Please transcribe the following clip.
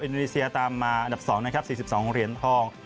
อินโดนีเซียตามมาอันดับ๒นะครับ๔๒เหรียญทอง